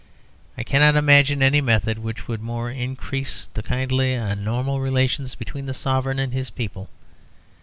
I cannot imagine any method which would more increase the kindly and normal relations between the Sovereign and his people.